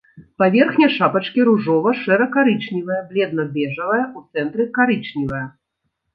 Паверхня шапачкі ружова-шэра-карычневая, бледна-бэжавая, у цэнтры карычневая.